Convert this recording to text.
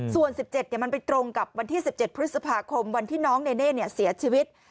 ส่วน๑๗มันไปตรงกับวันที่๑๗พฤษภาคมวันที่น้องเนเน่เสียชีวิต